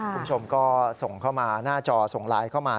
คุณผู้ชมก็ส่งเข้ามาหน้าจอส่งไลน์เข้ามา